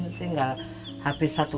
ibu mengalami kematian